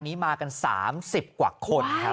นี้มากัน๓๐กว่าคนครับ